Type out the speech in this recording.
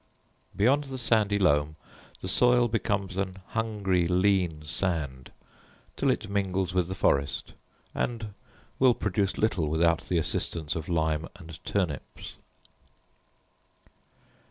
Beyond the sandy loam the soil becomes an hungry lean sand, till it mingles with the forest; and will produce little without the assistance of lime and turnips.